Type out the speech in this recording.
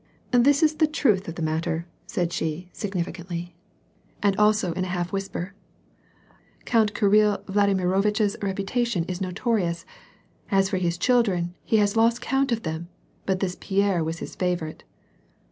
"This is the truth of the matter," said she, significantly, WAR AND PEACE. 43 and also in a half whisper, " Count Kirill Vladimirovitch's reputation is notorious ; as for his children, he has lost count of them, but this Pierre was his favorite."